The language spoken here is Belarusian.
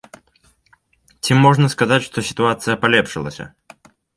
Ці можна сказаць, што сітуацыя палепшылася?